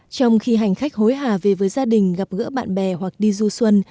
trong khi hành khách hối hà về với gia đình gặp gỡ bạn bè hoặc đi du xuân